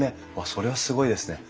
それはすごいですね。